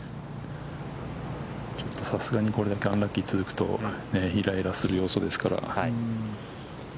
ちょっと、さすがにこれだけアンラッキーが続くといらいらする要素ですから。